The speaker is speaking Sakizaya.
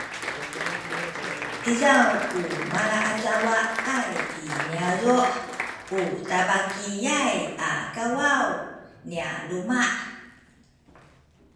izaw ku malaacawaay i niyazu’ u tabakiyay a kawaw nya luma’